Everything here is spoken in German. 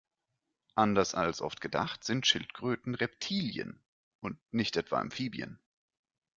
Anders als oft gedacht sind Schildkröten Reptilien, und nicht etwa Amphibien.